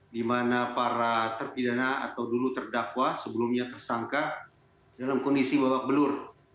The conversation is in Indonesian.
di mana para terpidana atau dulu terdakwa sebelumnya tersangka dalam kondisi babak belur